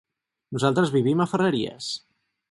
Nosaltres vivim a Ferreries.